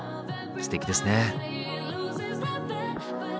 すてきですね。